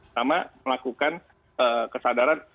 sama melakukan kesadaran